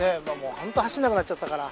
ホント走らなくなっちゃったから。